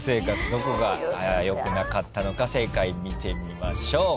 どこが良くなかったのか正解見てみましょうこちら。